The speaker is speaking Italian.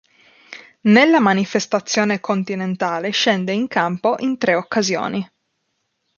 Nella manifestazione continentale scende in campo in tre occasioni.